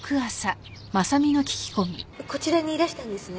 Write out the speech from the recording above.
こちらにいらしたんですね？